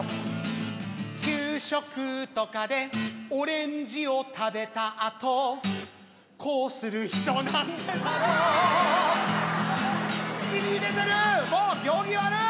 給食とかでオレンジを食べたあとこうする人なんでだろうもう行儀悪い！